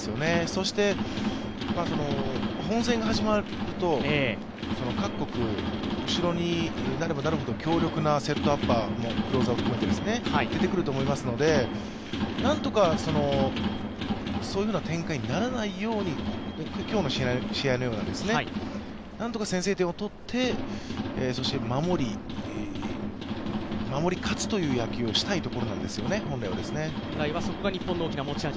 そして本戦が始まると、各国後ろになればなるほど強力なセットアッパー、クローザーも出てくると思いますので、何とかそういうふうな展開にならないように、今日の試合のようななんとか先制点を取ってそして守り勝つという野球をしていきたいところなんですよね。